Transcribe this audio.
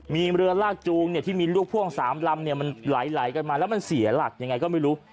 มีเรือลากจูงที่มีลูกพ่วง๓ลำเนี่ยมันไหลกันมาแล้วมันเสียหลักยังไงก็ไม่รู้